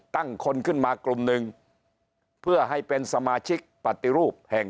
คนขึ้นมากลุ่มหนึ่งเพื่อให้เป็นสมาชิกปฏิรูปแห่ง